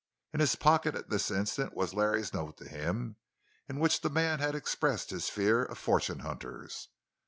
In his pocket at this instant was Larry's note to him, in which the man had expressed his fear of fortune hunters.